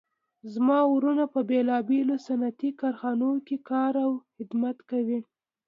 زما وروڼه په بیلابیلو صنعتي کارخانو کې کار او خدمت کوي